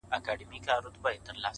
• هم ښکنځلي پکښي وسوې هم جنګونه,